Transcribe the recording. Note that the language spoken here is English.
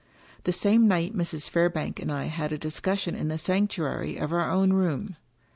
The same night Mrs. Fairbank and I had a discussion in the sanctuary of our own room.